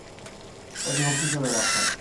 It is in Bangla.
অতিভক্তি চোরের লক্ষণ।